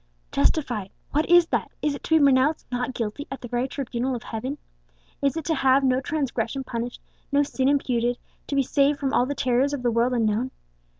"Justified, what is that? Is it to be pronounced 'not guilty' at the very tribunal of Heaven? Is it to have no transgression punished, no sin imputed; to be saved from all the terrors of the world unknown?